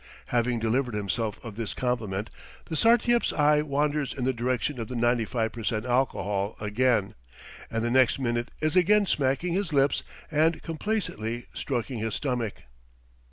Having delivered himself of this compliment, the Sartiep's eye wanders in the direction of the 95% alcohol again, and the next minute is again smacking his lips and complacently stroking his stomach.